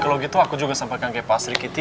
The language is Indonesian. kalau gitu aku juga sampaikan ke pak sri kiti